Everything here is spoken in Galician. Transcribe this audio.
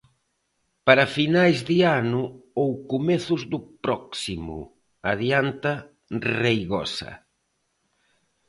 "Para finais de ano ou comezos do próximo", adianta Reigosa.